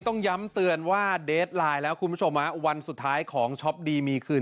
ต้องย้ำเตือนว่าเดสไลน์แล้วคุณผู้ชมฮะวันสุดท้ายของช็อปดีมีคืน